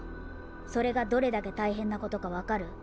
それがどれだけたいへんなことかわかる？